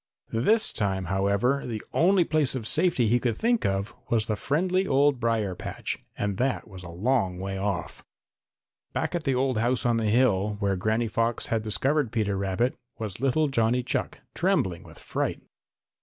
This time, however, the only place of safety he could think of was the friendly old brier patch, and that was a long way off. Back at the old house on the hill, where Granny Fox had discovered Peter Rabbit, was little Johnny Chuck, trembling with fright.